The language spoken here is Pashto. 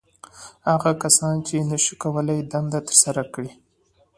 • هغه کسانو، چې نهشوی کولای دنده تر سره کړي.